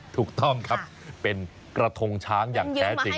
ถูกต้องครับเป็นกระทงช้างอย่างแท้จริง